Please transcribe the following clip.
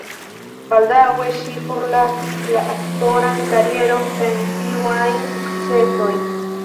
Baldaŭe ŝi forlasis la aktoran karieron sen iu ajn sukcesoj.